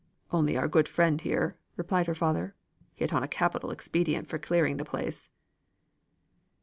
"Only our good friend here," replied her father, "hit on a capital expedient for clearing the place."